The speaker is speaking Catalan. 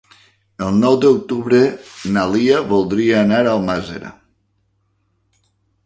El nou d'octubre na Lia voldria anar a Almàssera.